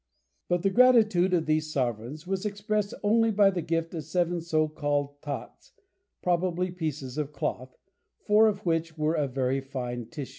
But the gratitude of these sovereigns was expressed only by the gift of seven so called "tots" probably pieces of cloth four of which were of very fine tissue.